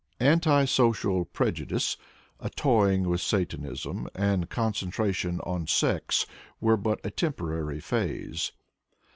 Anti social prejudice, a toying with satanism, and concentration on sex were but a temporary phase.